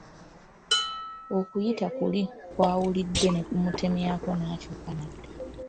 Okuyita kuli kw’awulidde ne kumutemyako n’akyuka n’adda.